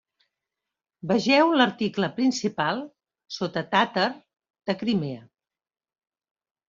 Vegeu l'article principal sota tàtar de Crimea.